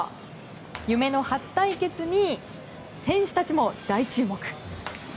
夢の初対決に選手たちも大注目。